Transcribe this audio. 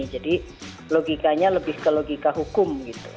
jadi logikanya lebih ke logika hukum